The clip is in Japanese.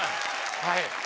はい。